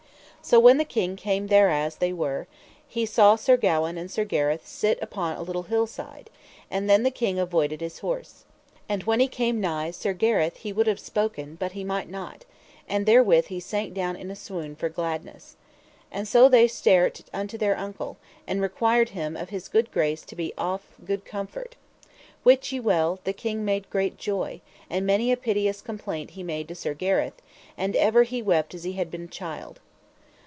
So when the king came thereas they were, he saw Sir Gawaine and Sir Gareth sit upon a little hill side, and then the king avoided his horse. And when he came nigh Sir Gareth he would have spoken but he might not; and therewith he sank down in a swoon for gladness. And so they stert unto their uncle, and required him of his good grace to be of good comfort. Wit ye well the king made great joy, and many a piteous complaint he made to Sir Gareth, and ever he wept as he had been a child.